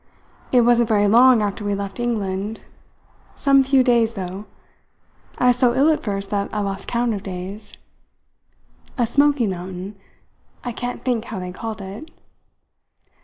"It wasn't very long after we left England some few days, though. I was so ill at first that I lost count of days. A smoking mountain I can't think how they called it."